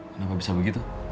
kenapa bisa begitu